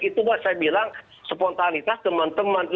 itu mbak saya bilang spontanitas teman teman